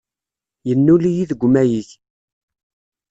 Yennul-iyi deg umayeg.